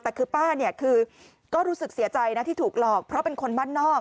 แต่คือป้าเนี่ยคือก็รู้สึกเสียใจนะที่ถูกหลอกเพราะเป็นคนบ้านนอก